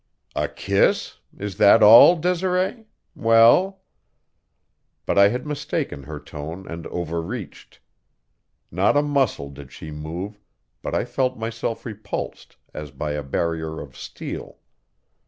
"A kiss? Is that all, Desiree? Well " But I had mistaken her tone and overreached. Not a muscle did she move, but I felt myself repulsed as by a barrier of steel.